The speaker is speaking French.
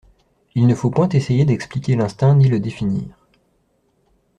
Il ne faut point essayer d'expliquer l'instinct ni le définir.